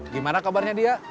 gimana kabarnya dia